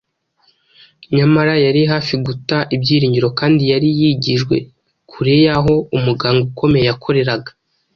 nyamara yari hafi guta ibyiringiro kandi yari yigijwe kure y’aho Umuganga ukomeye yakoreraga.